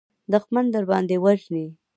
دښمن درباندې وژني.